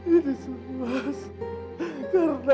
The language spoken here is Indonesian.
ini semua karena